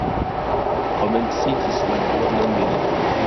Komenciĝis la dua mondmilito.